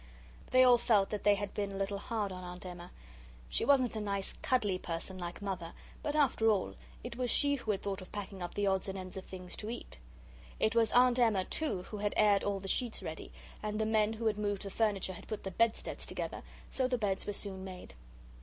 They all felt that they had been a little hard on Aunt Emma. She wasn't a nice cuddly person like Mother, but after all it was she who had thought of packing up the odds and ends of things to eat. It was Aunt Emma, too, who had aired all the sheets ready; and the men who had moved the furniture had put the bedsteads together, so the beds were soon made.